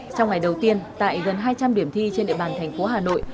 trong ngày đầu tiên tại gần hai trăm linh điểm thi trên địa bàn thành phố hà nội